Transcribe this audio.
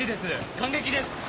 感激です。